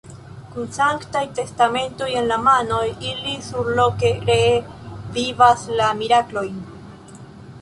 Kun sanktaj testamentoj en la manoj, ili surloke ree vivas la miraklojn.